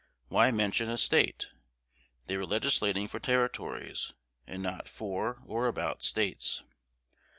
Why mention a State? They were legislating for Territories, and not for or about States.